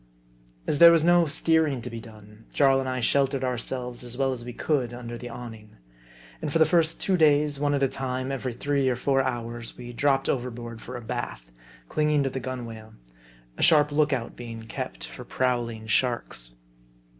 As there was no steering to be done, Jarl and I sheltered ourselves as well as we could under the awning. And for the first two days, one at a time, and every three or four hours, we dropped overboard for a bath, clinging to the gun wale ; a sharp look out being kept for prowling sharks.